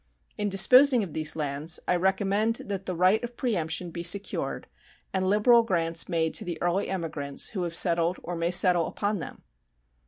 In disposing of these lands, I recommend that the right of preemption be secured and liberal grants made to the early emigrants who have settled or may settle upon them.